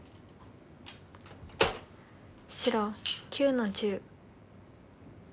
白９の十。